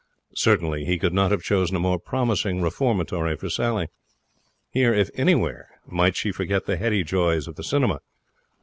Certainly he could not have chosen a more promising reformatory for Sally. Here, if anywhere, might she forget the heady joys of the cinema.